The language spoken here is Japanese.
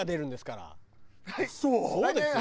そうですよ。